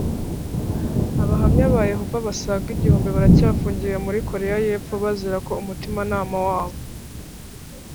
abahamya ba yehova basaga igihumbi baracyafungiye muri koreya y’epfo bazira ko umutimanama wabo.